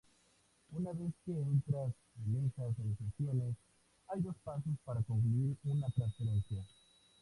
Una vez que entras en esas negociaciones, hay dos pasos para concluir una transferencia.